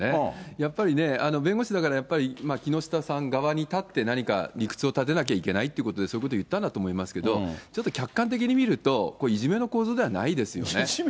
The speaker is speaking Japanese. やっぱりね、弁護士だからやっぱり、木下さん側に立って、何か理屈を立てなきゃいけないということで、そういうこと言ったんだと思いますけど、ちょっと客観的に見ると、いじめじゃないですよ。